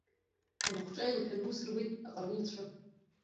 Рмахәҿа еилҳәаны аус руеит аҟарулцәа.